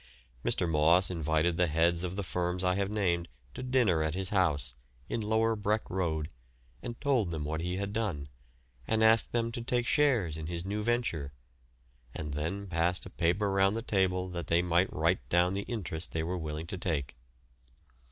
Mr. Moss invited the heads of the firms I have named to dinner at his house, in Lower Breck Road, and told them what he had done, and asked them to take shares in his new venture, and then passed a paper round the table that they might write down the interest they were willing to take.